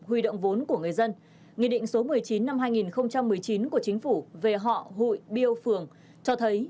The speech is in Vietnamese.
huy động vốn của người dân nghị định số một mươi chín năm hai nghìn một mươi chín của chính phủ về họ hội biêu phường cho thấy